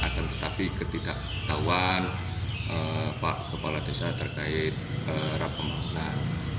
akan tetapi ketidaktahuan pak kepala desa terkait rap pembangunan